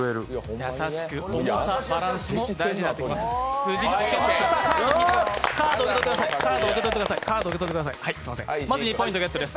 重さ、バランスも大事になってきます。